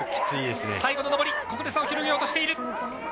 最後の上りここで差を広げようとしている。